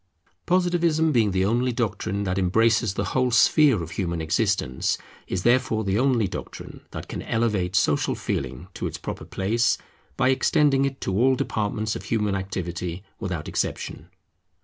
Positivism being the only doctrine that embraces the whole sphere of human existence, is therefore the only doctrine that can elevate Social Feeling to its proper place, by extending it to all departments of human activity without exception.